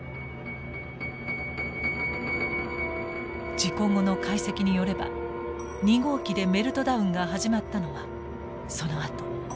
事故後の解析によれば２号機でメルトダウンが始まったのはそのあと午後９時過ぎ。